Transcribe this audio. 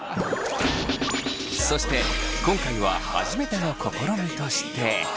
そして今回は初めての試みとして。